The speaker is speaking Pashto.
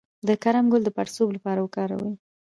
د کرم ګل د پړسوب لپاره وکاروئ